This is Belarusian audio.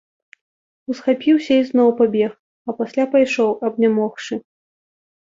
Усхапіўся і зноў пабег, а пасля пайшоў, абнямогшы.